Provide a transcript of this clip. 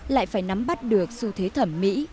lại phải nắm bắt được xu thế thẩm mỹ